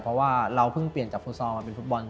เพราะว่าเราเพิ่งเปลี่ยนจากฟุตซอลมาเป็นฟุตบอล